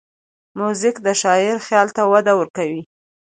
موزیک د شاعر خیال ته وده ورکوي.